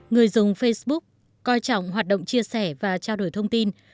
người dùng facebook coi trọng hoạt động chia sẻ và trao đổi thông tin